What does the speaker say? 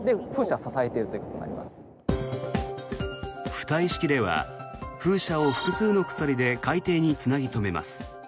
浮体式では風車を複数の鎖で海底につなぎ留めます。